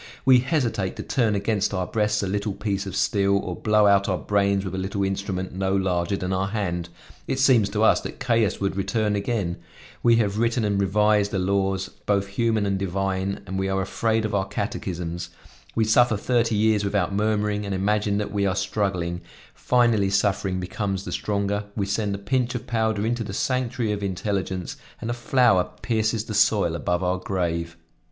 We hesitate to turn against our breasts a little piece of steel, or blow out our brains with a little instrument no larger than our hand; it seems to us that chaos would return again; we have written and revised the laws both human and divine and we are afraid of our catechisms; we suffer thirty years without murmuring and imagine that we are struggling; finally suffering becomes the stronger, we send a pinch of powder into the sanctuary of intelligence, and a flower pierces the soil above our grave."